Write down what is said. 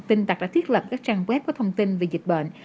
tình tạc đã thiết lập các trang web có thông tin về dịch bệnh